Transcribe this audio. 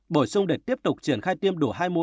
bổ sung để tiếp tục triển khai tiêm vaccine